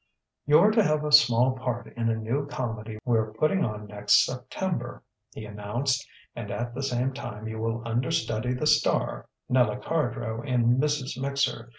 "You're to have a small part in a new comedy we're putting on next September," he announced, "and at the same time you will understudy the star Nella Cardrow in 'Mrs. Mixer.'